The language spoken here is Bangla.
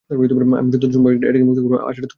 আর যতবার তুমি এটাকে মুক্ত করবে, আচারটা ততই কঠিন হবে।